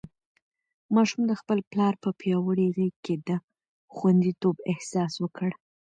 ماشوم د خپل پلار په پیاوړې غېږ کې د خونديتوب احساس وکړ.